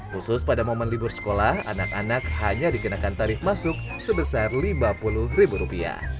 khusus pada momen libur sekolah anak anak hanya dikenakan tarif masuk sebesar rp lima puluh